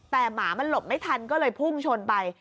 แต่หมามันหลบไม่ทันก็เลยพุ่งชนไป